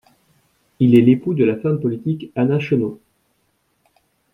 Il est l'époux de la femme politique Anna Chennault.